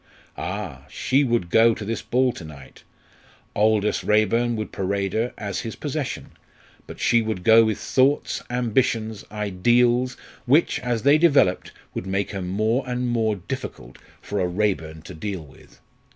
Ah! she would go to this ball to night; Aldous Raeburn would parade her as his possession; but she would go with thoughts, ambitions, ideals, which, as they developed, would make her more and more difficult for a Raeburn to deal with.